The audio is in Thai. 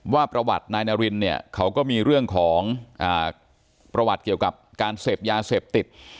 ว่าประวัตินายนารินเนี่ยเขาก็มีเรื่องของประวัติเกี่ยวกับการเสพยาเสพติด